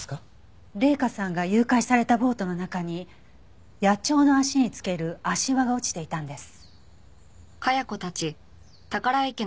麗華さんが誘拐されたボートの中に野鳥の足につける足環が落ちていたんです。